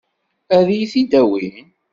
Ad iyi-t-id-awin?